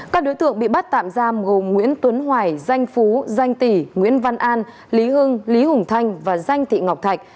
các đối tượng bị bắt tạm giam gồm nguyễn tuấn hoài danh phú danh tỷ nguyễn văn an lý hưng lý hùng thanh và danh thị ngọc thạch